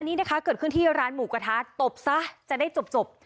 นี่นะคะเกิดขึ้นที่ร้านหมูกระทะตบซะจะได้จบ